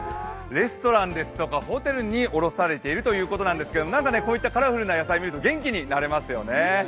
レストランですとかホテルに卸されているということですがこういったカラフルな野菜を見ると元気になれますよね。